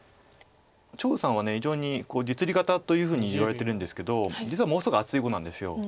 張栩さんは非常に実利型というふうにいわれてるんですけど実はものすごい厚い碁なんです。